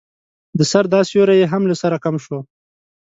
د سر دا سيوری يې هم له سره کم شو.